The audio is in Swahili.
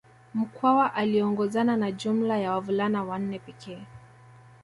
Mkwawa aliongozana na jumla ya wavulana wanne pekee